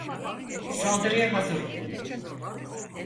Saldırıya hazır olun.